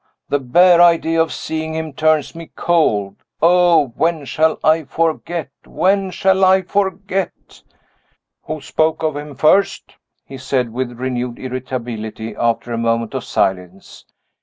The bare idea of seeing him turns me cold. Oh, when shall I forget! when shall I forget! Who spoke of him first?" he said, with renewed irritability, after a moment of silence.